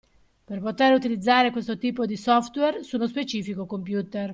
Per poter utilizzare questo tipo di software su uno specifico computer.